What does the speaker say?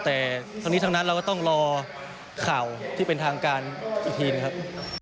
แต่ทั้งนี้ทั้งนั้นเราก็ต้องรอข่าวที่เป็นทางการอีกทีนะครับ